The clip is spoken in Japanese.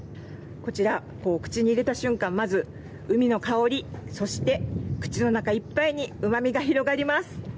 こちら、口に入れた瞬間、まず海の香り、そして口の中いっぱいにうまみが広がります。